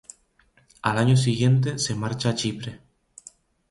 Al año siguiente se marcha a Chipre.